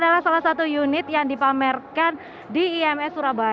ini adalah salah satu unit yang dipamerkan di ims surabaya